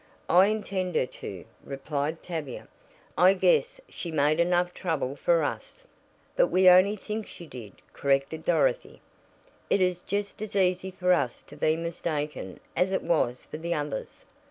"I intend her to," replied Tavia. "I guess she made enough trouble for us." "But we only think she did," corrected Dorothy. "It is just as easy for us to be mistaken as it was for the others."